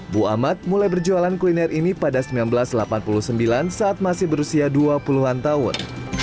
bu ahmad mulai berjualan kuliner ini pada seribu sembilan ratus delapan puluh sembilan saat masih berusia dua puluh an tahun